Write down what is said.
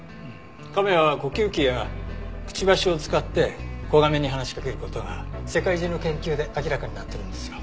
亀は呼吸器やくちばしを使って子亀に話しかける事が世界中の研究で明らかになってるんですよ。